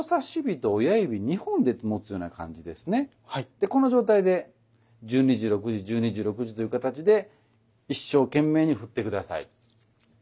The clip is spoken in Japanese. でこの状態で十二時六時十二時六時という形で一生懸命に振って下さい。